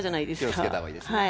気をつけた方がいいですね。